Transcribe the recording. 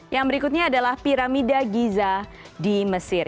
yang berikutnya adalah piramida giza di mesir